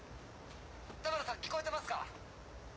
田村さん聞こえてますか？